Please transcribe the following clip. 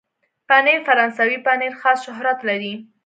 پنېر فرانسوي پنېر خاص شهرت لري.